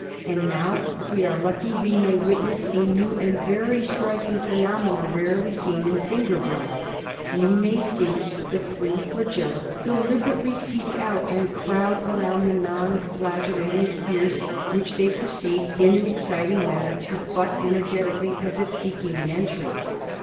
And now, if we are lucky, we may witness a new and very striking phenomenon rarely seen in finger blood. /We may see the free flagella deliberately seek out and crowd around the non flagellating spheres which they proceed in an excited manner to butt energeti cally as if seeking an entrance.)